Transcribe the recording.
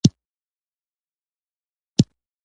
ټول تاريخ کيسې د پاچاهانو جفاګانې دي